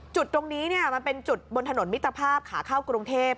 จุดตรงนี้มันเป็นจุดบนถนนมิตรภาพขาเข้ากรุงเทพ